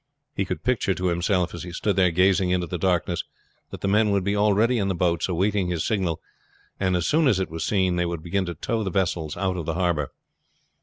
He could picture to himself, as he stood there gazing into the darkness, that the men would be already in the boats awaiting his signal, and as soon as it was seen they would begin to tow the vessels out of the harbor.